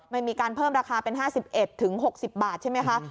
มีการเพิ่มราคาเป็น๕๑๖๐บาทใช่ไหมคะ